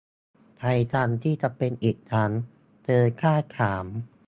'ใครกันที่จะเป็นอีกครั้ง ?' เธอกล้าถาม